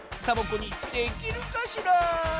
サボ子にできるかしら？